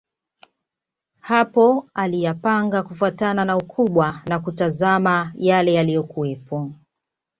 Hapo aliyapanga kufuatana na ukubwa na kutazama yale yaliyokuwepo